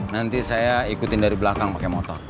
nanti saya ikutin dari belakang pakai motor